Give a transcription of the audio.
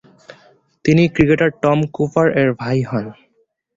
তিনি cricketer Tom Cooper এর ভাই হন।